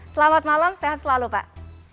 selamat malam sehat selalu pak